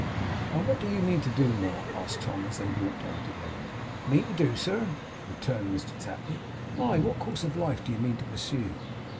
'And what do you mean to do, Mark?' asked Tom, as they walked on together. 'Mean to do, sir?' returned Mr Tapley. 'Aye. What course of life do you mean to pursue?